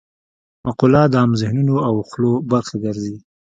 مقوله د عام ذهنونو او خولو برخه ګرځي